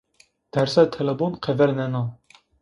Derse telebun qefelnena.